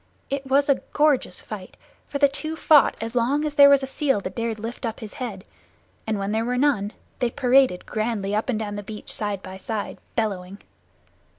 It was a gorgeous fight, for the two fought as long as there was a seal that dared lift up his head, and when there were none they paraded grandly up and down the beach side by side, bellowing.